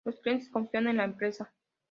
Los clientes confían en la empresa.